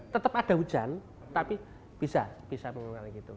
tetap ada hujan tapi bisa mengurangilah gitu